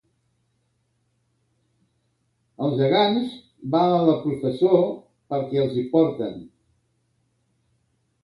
Els gegants van a la processó perquè els hi porten.